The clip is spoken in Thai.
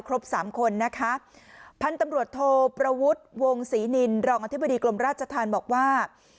สามคนนะคะพันธุ์ตำรวจโทประวุฒิวงศรีนินรองอธิบดีกรมราชธรรมบอกว่า